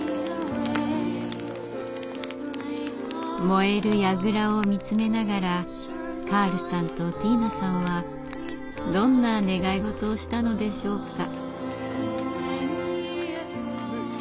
燃える櫓を見つめながらカールさんとティーナさんはどんな願い事をしたのでしょうか。